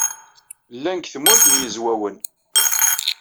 Llan deg Tmurt n Yizwawen.